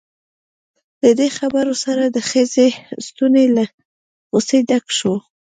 له دې خبرو سره د ښځې ستونی له غصې ډک شو.